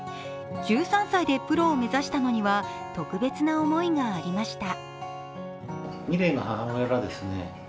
１３歳でプロを目指したのには、特別な思いがありました。